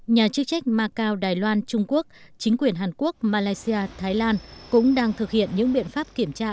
nhà chức trách macau đài loan trung quốc chính quyền hàn quốc malaysia thái lan cũng đang thực hiện những biện pháp kiểm tra